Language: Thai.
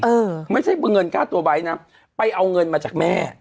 เออไม่ใช่เงินค่าตัวไบท์นะไปเอาเงินมาจากแม่